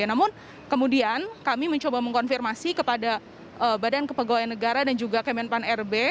namun kemudian kami mencoba mengkonfirmasi kepada badan kepegawaian negara dan juga kemenpan rb